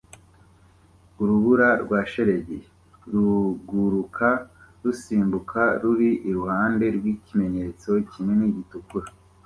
Urubura rwa shelegi ruguruka rusimbuka ruri iruhande rwikimenyetso kinini gitukura